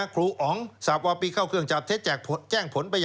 ครูอ๋องสับวาปีเข้าเครื่องจับเท็จแจ้งผลไป